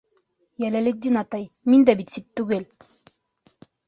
- Йәләлетдин атай, мин дә бит сит түгел.